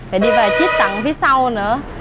phải đi vào chít tặng phía sau nữa